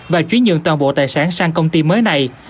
và chú ý nhượng toàn bộ tài sản sang công ty mới này